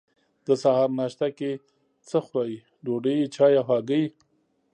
د سهار ناشته کی څه خورئ؟ ډوډۍ، چای او هګۍ